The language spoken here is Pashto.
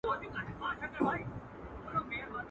په تور لحد کي به نارې کړم.